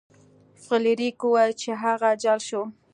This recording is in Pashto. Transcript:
فلیریک وویل چې هغه جل شو.